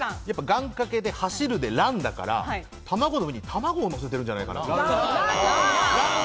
願掛けで走るでランだから、卵の上に卵をのせてるんじゃないかな？